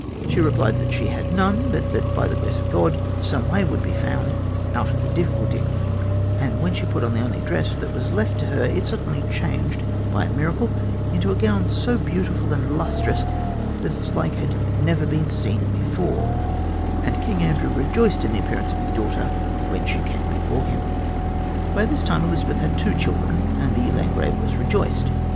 She replied that she had none, but that by grace of God some way would be found out of the difficulty; and when she put on the only dress that was left to her it suddenly changed by a miracle into a gown so beautiful and lustrous that its like had never been seen before, and King Andrew rejoiced in the appearance of his daughter when she came before him. By this time Elizabeth had two children, and the Landgrave was rejoiced.